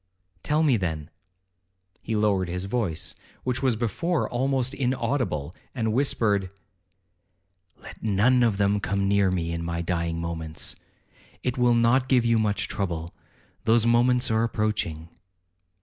'Tell me then.' He lowered his voice, which was before almost inaudible, and whispered, 'Let none of them come near me in my dying moments—it will not give you much trouble—those moments are approaching.'